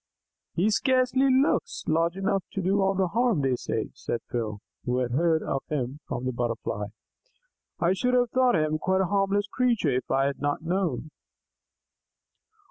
"He scarcely looks large enough to do all the harm they say," said Phil, who had heard of him from the Butterfly. "I should have thought him quite a harmless creature if I had not known."